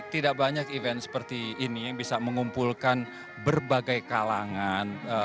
tidak banyak event seperti ini yang bisa mengumpulkan berbagai kalangan